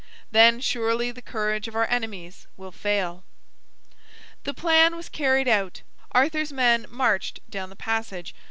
Then surely the courage of our enemies will fail." The plan was carried out. Arthur's men marched down the passage.